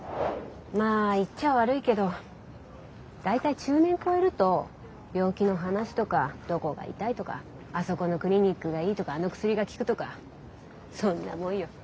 まあ言っちゃ悪いけど大体中年超えると病気の話とかどこが痛いとかあそこのクリニックがいいとかあの薬が効くとかそんなもんよ。